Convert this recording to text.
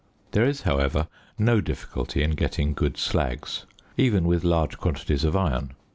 There is, however, no difficulty in getting good slags, even with large quantities of iron.